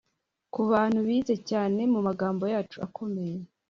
kubantu bize cyane mumagambo yacu akomeye